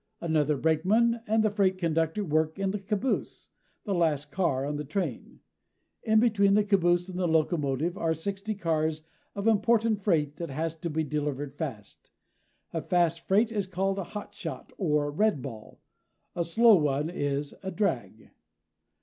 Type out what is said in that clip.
Another brakeman and the freight conductor work in the caboose the last car on the train. In between the caboose and the locomotive are sixty cars of important freight that has to be delivered fast. A fast freight is called a hotshot or redball. A slow one is a drag.